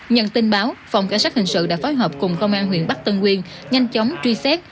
nhận tin báo phòng cảnh sát hình sự đã phối hợp cùng công an huyện bắc tân uyên nhanh chóng truy xét